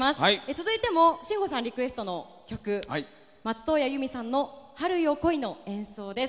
続いても信五さんリクエストの曲松任谷由実さんの「春よ、来い」の演奏です。